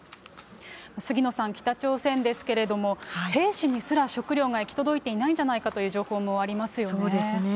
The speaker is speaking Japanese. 杉野さん、北朝鮮ですけれども、兵士にすら食料が行き届いていないんじゃないかという情報もありそうですね。